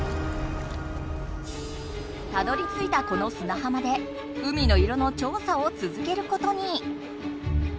たどりついたこの砂浜で海の色のちょうさをつづけることに。